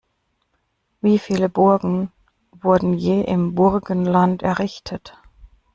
Wie viele Burgen wurden je im Burgenland errichtet?